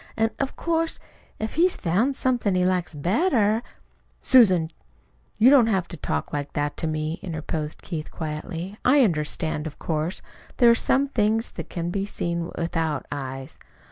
"An' of course, if he's found somethin' he likes better " "Susan, you don't have to talk like that to me" interposed Keith quietly. "I understand, of course. There are some things that can be seen without eyes."